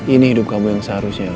ini hidup kamu yang seharusnya